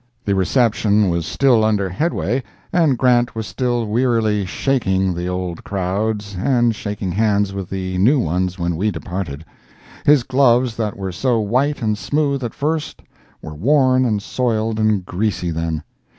The reception was still under headway and Grant was still wearily "shaking" the old crowds and shaking hands with the new ones when we departed. His gloves that were so white and smooth at first, were worn and soiled and greasy then.